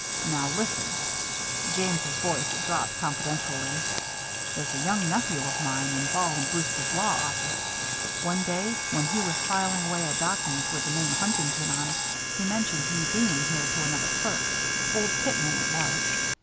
Now, listen (James's voice dropped, confidentially). There's a young nephew of mine in Ball and Brewster's law office. One day, when he was filing away a document with the name Huntington on it, he mentioned me being here, to another clerk Old Pitman, it was.